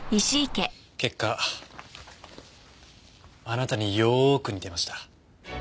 結果あなたによーく似てました。